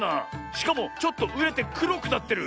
しかもちょっとうれてくろくなってる。